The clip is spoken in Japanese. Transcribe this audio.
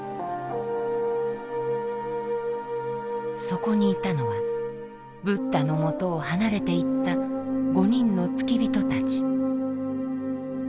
そこにいたのはブッダのもとを離れていった５人の付き人たち。